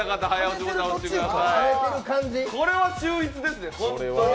これは秀逸ですね、本当に。